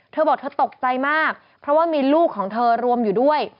เธอบอกเธอตกใจมากเพราะว่ามีลูกของเธอรวมอยู่ด้วย